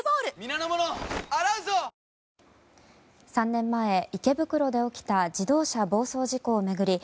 ３年前、池袋で起きた自動車暴走事故を巡り